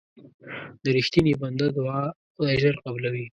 د رښتیني بنده دعا خدای ژر قبلوي.